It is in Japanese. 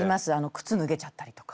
靴脱げちゃったりとか。